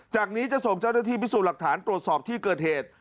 จากนี้จะส่งเจ้าหน้าที่พิสูจน์หลักฐานตรวจสอบที่เกิดเหตุ